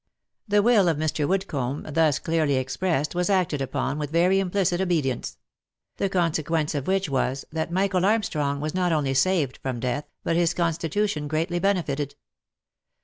The will of Mr. Woodcomb, thus clearly expressed, was acted upon with very implicit obedience; the consequence of which was, that Michael Armstrong Avas not only saved from death, but his constitution greatly benefited.